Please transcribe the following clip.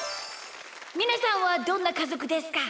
みなさんはどんなかぞくですか？